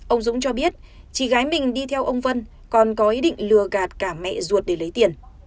ông dũng cho biết chị gái mình đi theo ông vân còn có ý định lừa gạt cả mẹ ruột để lấy tiền